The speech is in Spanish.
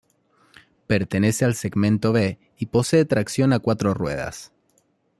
Pertenece al segmento B y posee tracción a cuatro ruedas.